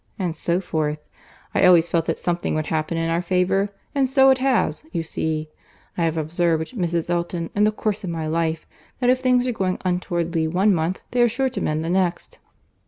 and so forth—I always felt that something would happen in our favour; and so it has, you see. I have observed, Mrs. Elton, in the course of my life, that if things are going untowardly one month, they are sure to mend the next."